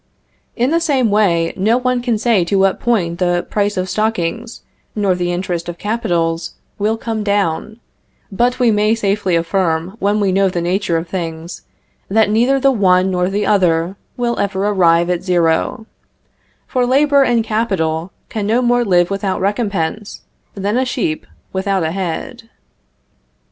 In the same way, no one can say to what point the price of stockings nor the interest of capitals will come down; but we may safely affirm, when we know the nature of things, that neither the one nor the other will ever arrive at zero, for labor and capital can no more live without recompense than a sheep without a head.